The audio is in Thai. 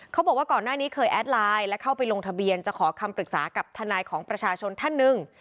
ก่อนหน้านี้เคยแอดไลน์และเข้าไปลงทะเบียนจะขอคำปรึกษากับทนายของประชาชนท่านหนึ่ง